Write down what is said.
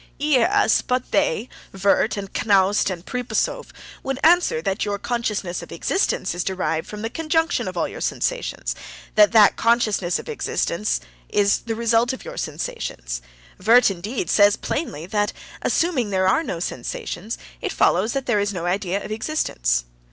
"Yes, but they—Wurt, and Knaust, and Pripasov—would answer that your consciousness of existence is derived from the conjunction of all your sensations, that that consciousness of existence is the result of your sensations. Wurt, indeed, says plainly that, assuming there are no sensations, it follows that there is no idea of existence."